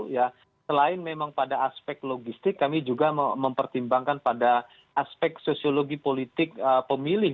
ya selain memang pada aspek logistik kami juga mempertimbangkan pada aspek sosiologi politik pemilih